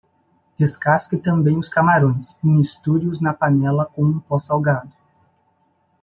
Descasque também os camarões e misture-os na panela com um pó salgado.